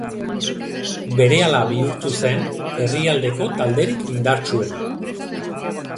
Berehala bihurtu zen herrialdeko talderik indartsuena.